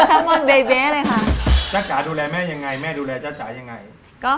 จ้าจ๋าดูแลแม่ยังไงแม่ดูแลจ้าจ๋ายังไง